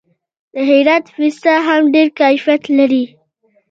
د هرات پسته هم ډیر کیفیت لري.